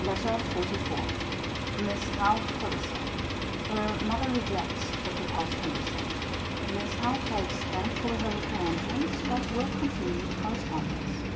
LETTER XLIV. Miss Howe to Clarissa. Her mother rejects the proposed condition. Miss Howe takes thankfully her reprehensions: but will continue the correspondence.